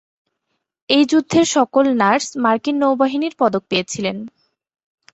এই যুদ্ধের সকল নার্স মার্কিন নৌবাহিনীর পদক পেয়েছিলেন।